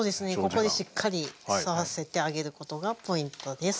ここでしっかり吸わせてあげることがポイントです。